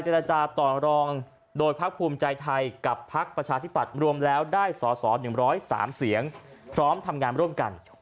ราจาต่อรองโดยพักภูมิใจไทยกับพักประชาธิปัตย์รวมแล้วได้สอสอ๑๐๓เสียงพร้อมทำงานร่วมกัน